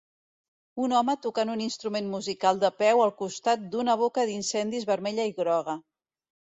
Un home tocant un instrument musical de peu al costat d'una boca d'incendis vermella i groga.